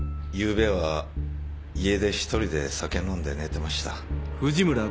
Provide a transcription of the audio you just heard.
ゆうべは家で１人で酒飲んで寝てました。